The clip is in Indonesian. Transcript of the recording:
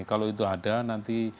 kalau itu ada nanti